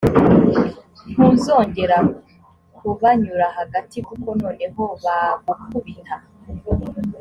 ntuzongera kubanyura hagati kuko noneho bagukubita